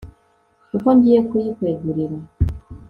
kuko ngiye kuyikwegurira